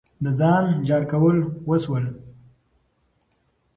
د ځان جار کول وسول.